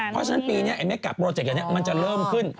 เพราะฉะนั้นปีนี้ไม่กลับโปรเจกต์อย่างนี้มันจะเริ่มขึ้น